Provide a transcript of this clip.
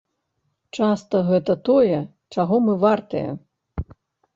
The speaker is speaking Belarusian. Часта гэта тое, чаго мы вартыя.